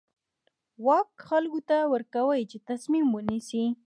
واک خلکو ته ورکوي چې تصمیم ونیسي.